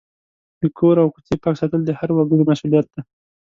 د کور او کوڅې پاک ساتل د هر وګړي مسؤلیت دی.